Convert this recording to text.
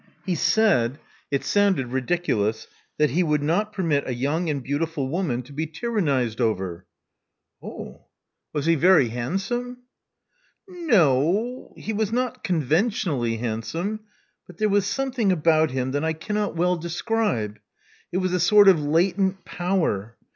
He said — it sounded ridiculous — that he would not permit a young and beautiful woman to be tyrannized over. 0h! Was he very handsome? N — no. He was not conventionally handsome; but there was something about him that I cannot very well describe. It was a sort of latent power.